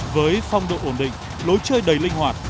với phong độ ổn định lối chơi đầy linh hoạt